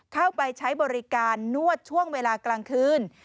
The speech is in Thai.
เข้าไปใช้บริการนวดช่วงเวลากลางคืน